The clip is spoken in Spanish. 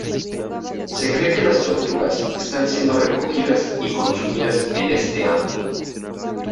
Se cree que las tortugas están siendo recogidas y consumidas en este ámbito.